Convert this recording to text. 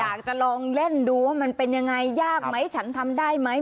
อยากจะลองเล่นดูว่ามันเป็นยังไงยากไหมฉันทำได้ไหม